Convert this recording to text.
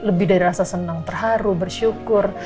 lebih dari rasa senang terharu bersyukur